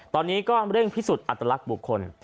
ตอนนี้ก็เร่งพิสูจน์อัตลักษณ์บุคคล